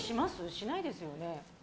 しないですよね？